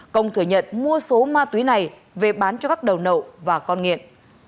công thừa nhận mua số ma túy này về bán cho các đầu nậu và con nghiện